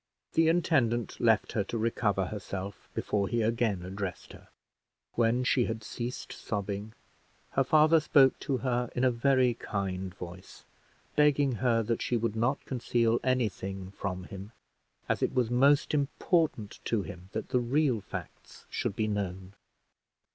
The intendant left her to recover herself before he again addressed her. When she had ceased sobbing, her father spoke to her in a very kind voice, begging her that she would not conceal any thing from him, as it was most important to him that the real facts should be known.